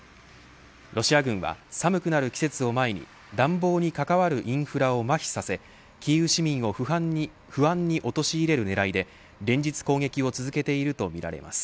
ロシア軍は、寒くなる季節を前に暖房に関わるインフラをまひさせキーウ市民を不安に陥れる狙いで連日、攻撃を続けているとみられます。